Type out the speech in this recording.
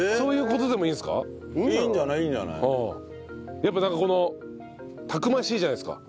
やっぱなんかこのたくましいじゃないですか。